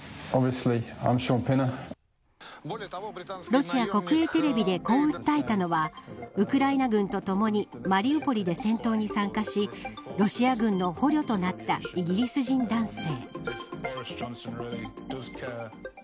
ロシア国営テレビでこう訴えたのはウクライナ軍とともにマリウポリで戦闘に参加しロシア軍の捕虜となったイギリス人男性。